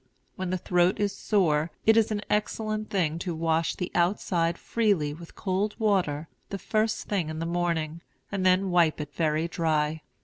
When the throat is sore, it is an excellent thing to wash the outside freely with cold water the first thing in the morning, and then wipe it very dry.